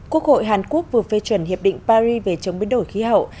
quốc hội hàn quốc vừa phê chuẩn hiệp định paris về chống biến đổi khí hậu